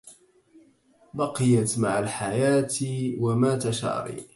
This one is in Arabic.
بقيت مع الحياة ومات شعري